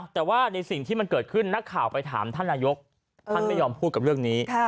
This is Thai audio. แต่ว่าในสิ่งที่มันเกิดขึ้นนักข่าวไปถามท่านนายกท่านไม่ยอมพูดกับเรื่องนี้